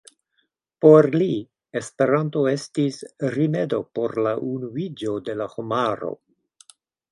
Por li Esperanto estis rimedo por la unuiĝo de la homaro.